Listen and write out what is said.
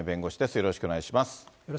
よろしくお願いします。